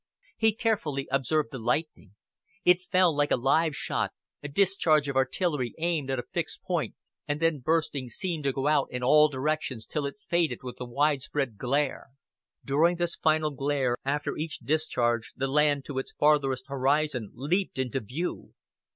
He carefully observed the lightning. It fell like a live shot, a discharge of artillery aimed at a fixed point, and then bursting seemed to go out in all directions till it faded with a widespread glare. During this final glare after each discharge the land to its farthest horizon leaped into view.